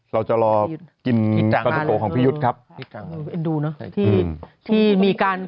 เราจะรอกินกาตุโกของพี่ยุทธ์ครับเอ็นดูเนอะที่มีการ